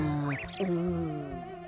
うん。